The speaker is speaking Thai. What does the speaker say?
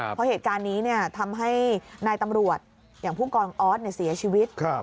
เพราะเหตุการณ์นี้ทำให้นายตำรวจอย่างผู้กองออสเสียชีวิต